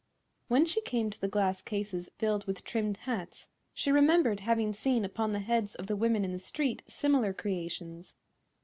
When she came to the glass cases filled with trimmed hats she remembered having seen upon the heads of the women in the street similar creations.